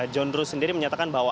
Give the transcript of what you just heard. john ruh sendiri menyatakan bahwa